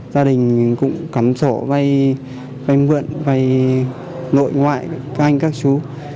gia đình cũng cắm sổ vay vệnh vận vay nội ngoại các anh các chú